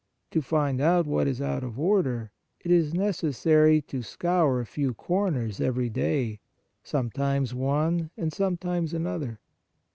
To find out what is out of order, it is necessary to scour a few corners every day, sometimes one and some times another.